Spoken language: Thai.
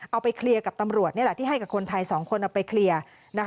เอาไปเคลียร์กับตำรวจนี่แหละที่ให้กับคนไทย๒คนเอาไปเคลียร์